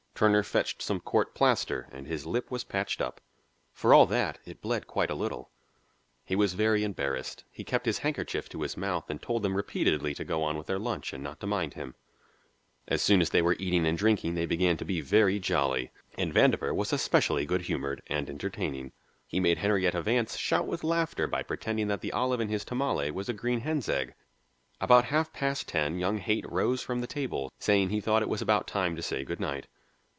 Turner fetched some court plaster, and his lip was patched up. For all that, it bled quite a little. He was very embarrassed; he kept his handkerchief to his mouth and told them repeatedly to go on with their lunch and not to mind him. As soon as they were eating and drinking they began to be very jolly, and Vandover was especially good humoured and entertaining. He made Henrietta Vance shout with laughter by pretending that the olive in his tamale was a green hen's egg. About half past ten young Haight rose from the table saying he thought it was about time to say good night.